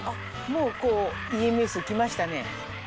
もうＥＭＳ来ましたね。